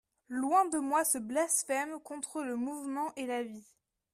Loin de moi ce blasphème contre le mouvement et la vie.